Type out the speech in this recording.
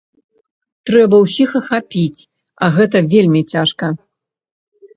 Трэба ўсіх ахапіць, а гэта вельмі цяжка.